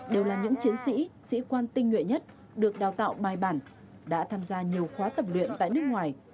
đều là những chiến sĩ sĩ quan tinh nhuệ nhất được đào tạo bài bản đã tham gia nhiều khóa tập luyện tại nước ngoài